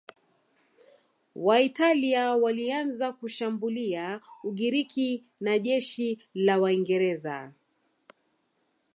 Waitalia walianza kushambulia Ugiriki na jeshi la Waingereza